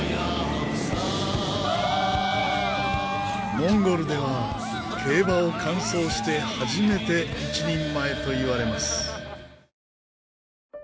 モンゴルでは競馬を完走して初めて一人前といわれます。